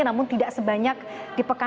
namun tidak sebanyak dipekantikan